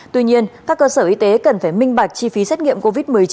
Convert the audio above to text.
tuy nhiên các cơ sở y tế cần phải minh bạch chi phí xét nghiệm covid một mươi chín